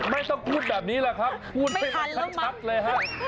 ไม่ต้องพูดแบบนี้แหละครับพูดให้มันชัดเลยฮะ